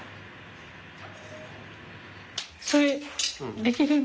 それできるの？